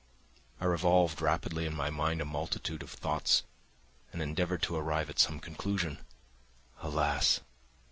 I revolved rapidly in my mind a multitude of thoughts and endeavoured to arrive at some conclusion. Alas!